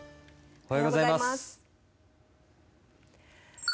おはようございます。